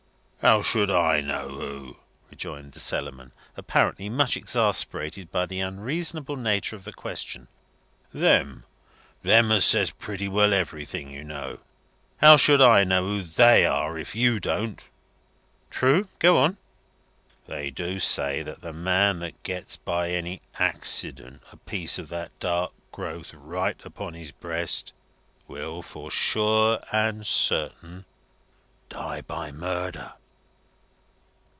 "How should I know who?" rejoined the Cellarman, apparently much exasperated by the unreasonable nature of the question. "Them! Them as says pretty well everything, you know. How should I know who They are, if you don't?" "True. Go on." "They do say that the man that gets by any accident a piece of that dark growth right upon his breast, will, for sure and certain, die by murder."